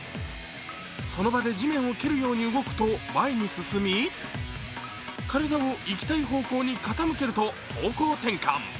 その場で地面を蹴るように動くと前に進み、体を行きたい方向に傾けると方向転換。